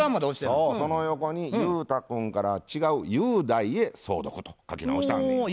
そうその横に雄太君から違う「雄大へ相続」と書き直してあんねや。